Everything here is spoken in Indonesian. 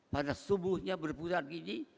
pada subuhnya berputar gini